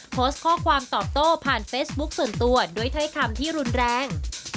โพสต์ข้อความตอบโต้ผ่านเฟซบุ๊คส่วนตัวด้วยถ้อยคำที่รุนแรง